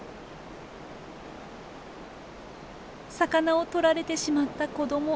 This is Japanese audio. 魚を取られてしまった子ども。